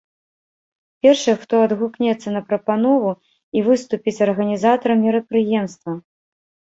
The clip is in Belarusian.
Першы, хто адгукнецца на прапанову, і выступіць арганізатарам мерапрыемства.